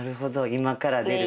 今から出る。